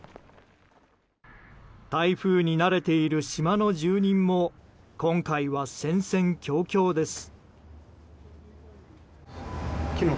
台風に慣れている島の住人も今回は戦々恐々です。